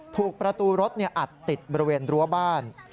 ถูกประตูรถอัดติดบริเวณรั้วบ้าน